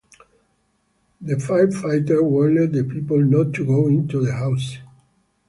The firefighter warned the people not to go into the house.